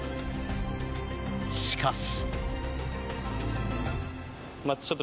しかし。